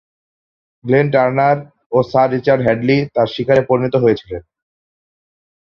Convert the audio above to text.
Glenn Turner ও sir Richard Hadlee তার শিকারে পরিণত হয়েছিলেন।